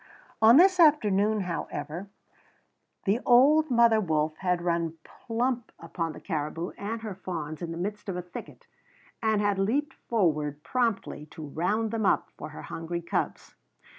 On this afternoon, however, the old mother wolf had run plump upon the caribou and her fawns in the midst of a thicket, and had leaped forward promptly to round them up for her hungry cubs.